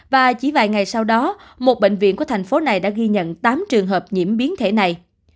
và chỉ vài ngày sau đó một bệnh viện của thành phố này đã ghi nhận tám trường hợp nhiễm biến thể này